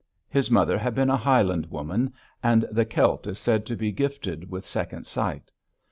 His mother had been a Highland woman, and the Celt is said to be gifted with second sight.